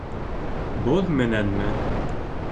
Боҙ менәнме?